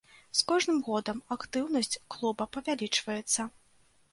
З кожным годам актыўнасць клуба павялічваецца.